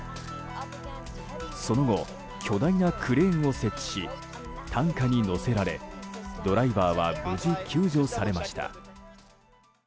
その後、巨大なクレーンを設置し担架に乗せられ、ドライバーは無事救助されました。